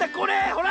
ほら！